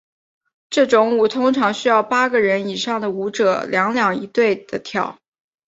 这种舞通常需要八个人以上的舞者两两一对地跳。